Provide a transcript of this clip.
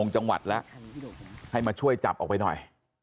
จังหวัดละแล้วใครดูพี่โดบยังให้มาช่วยจับออกไปหน่อย